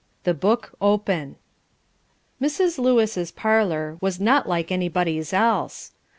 THE BOOK OPEN. Mrs. Lewis' parlour was not like anybody's else.